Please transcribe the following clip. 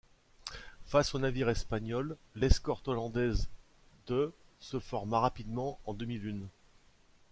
Face aux navires espagnols, l'escorte hollandaise de se forma rapidement en demi-lune.